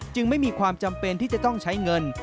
ไม่มีความจำเป็นที่จะต้องใช้เงิน